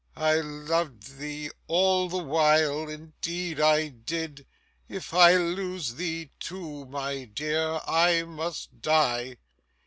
I loved thee all the while, indeed I did. If I lose thee too, my dear, I must die!